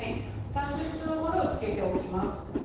３０分程つけておきます。